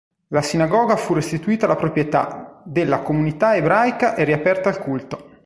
La sinagoga fu restituita alla proprietà della comunità ebraica e riaperta al culto.